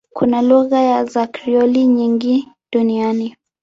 Kuna lugha za Krioli nyingi duniani.